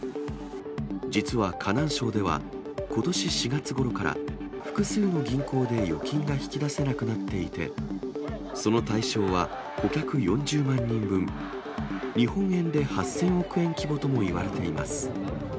実は河南省では、ことし４月ごろから複数の銀行で預金が引き出せなくなっていて、その対象は顧客４０万人分、日本円で８０００億円規模ともいわれています。